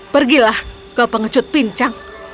pergilah kau pengecut pincang